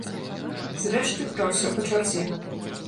Зрэшты, пра ўсё па чарзе.